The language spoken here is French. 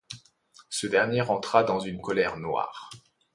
Ce dernier rentra dans une colère noire.